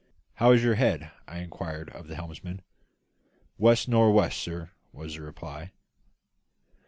"How is her head?" I inquired of the helmsman. "West nor' west, sir," was the reply.